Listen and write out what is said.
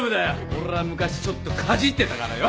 俺は昔ちょっとかじってたからよ。